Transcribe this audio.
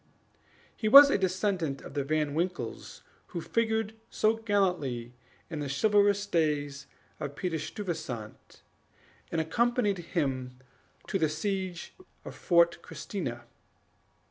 He was a descendant of the Van Winkles who figured so gallantly in the chivalrous days of Peter Stuyvesant, and accompanied him to the siege of Fort Christina.